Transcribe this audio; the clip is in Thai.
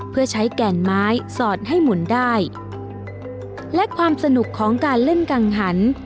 เพื่อใช้แก่นไม้สอดให้หมุนได้และความสนุกของการเล่นกังหัน